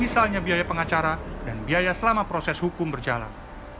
misalnya biaya pengacara dan biaya selama proses hukum berjalan